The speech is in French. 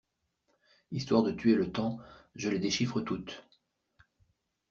Histoire de tuer le temps, je les déchiffre toutes.